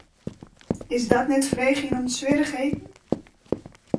Is dat net freegjen om swierrichheden?